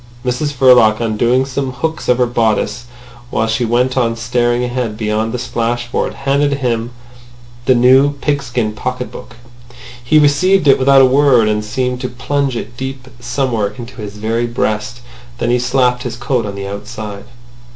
Mrs Verloc, undoing some hooks of her bodice, while she went on staring ahead beyond the splashboard, handed over to him the new pigskin pocket book. He received it without a word, and seemed to plunge it deep somewhere into his very breast. Then he slapped his coat on the outside.